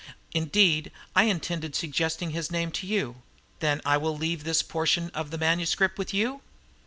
"Indeed, I intended suggesting his name to you. Then I will leave this portion of the manuscript with you?"